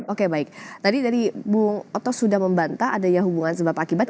oke baik tadi dari bung oto sudah membantah adanya hubungan sebab akibat